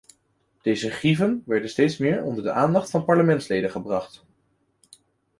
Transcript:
Deze grieven worden steeds meer onder de aandacht van parlementsleden gebracht.